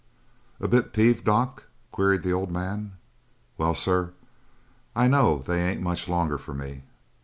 "A bit peeved, doc?" queried the old man. "Well, sir, I know they ain't much longer for me.